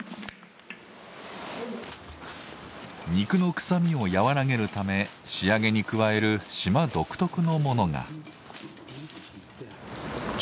肉のくさみを和らげるため仕上げに加える島独特のものが。